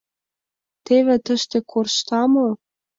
Теве тыште коршта мо?